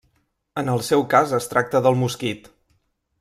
En el seu cas es tracta del mosquit.